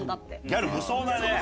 ギャル無双だね。